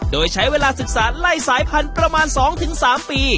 โดยใช้เวลาศึกษาไล่สายพันธุ์ประมาณ๒๓ปี